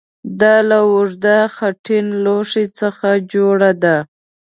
دا له اوږدې خټین لوښي څخه جوړه ده